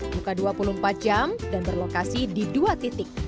buka dua puluh empat jam dan berlokasi di dua titik